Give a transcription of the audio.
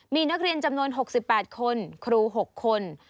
มีนักเรียนจำนวน๖๘คนครู๖คน